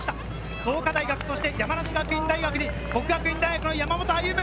創価大学、そして山梨学院大学に國學院大學の山本歩夢。